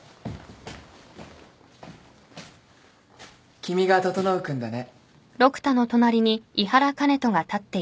君が整君だね。